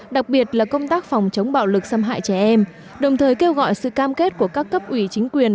đặc biệt là công tác phòng chống bạo lực xâm hại trẻ em đồng thời kêu gọi sự cam kết của các cấp ủy chính quyền